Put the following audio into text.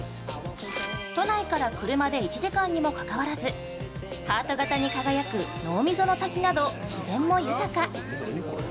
都内から車で１時間にもかかわらず、ハート型に輝く濃溝の滝など自然も豊か。